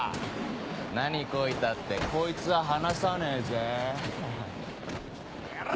何こいたってこいつは離さねえぜハハ。